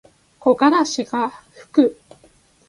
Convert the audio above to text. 木枯らしがふく。